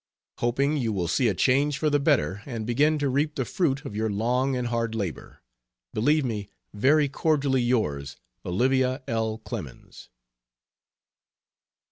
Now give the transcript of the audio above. Hoping you will see a change for the better and begin to reap the fruit of your long and hard labor. Believe me Very Cordially yours OLIVIA L. CLEMENS.